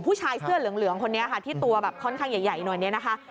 ผู้ชายเสื้อเหลืองคนนี้ค่ะที่ตัวแบบค่อนข้างใหญ่หน่อยเนี่ยนะคะ